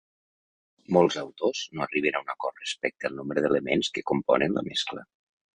Molts autors no arriben a un acord respecte al nombre d'elements que componen la mescla.